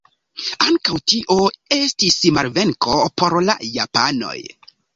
Ankaŭ tio estis malvenko por la japanoj.